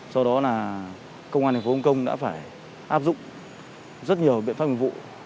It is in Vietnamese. sau đó là công an tp hcm đã phải áp dụng rất nhiều biện pháp miệng vụ